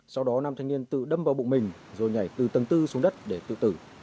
sau đó nam thanh niên tự đâm vào bụng mình rồi nhảy từ tầng bốn xuống đất để tự tử